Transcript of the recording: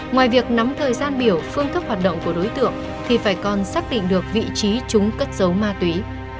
ngoài việc nắm thời gian biểu phương thức hoạt động của đối tượng thì phải còn xác định được vị trí chúng cất dấu ma túy